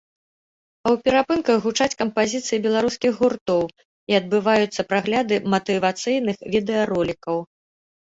А ў перапынках гучаць кампазіцыі беларускіх гуртоў і адбываюцца прагляды матывацыйных відэаролікаў.